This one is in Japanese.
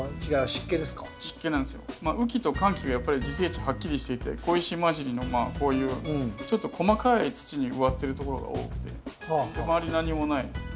雨季と乾季がやっぱり自生地はっきりしていて小石まじりのこういうちょっと細かい土に植わってるところが多くて周り何もない。